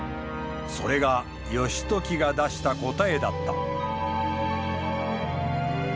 それが義時が出した答えだった。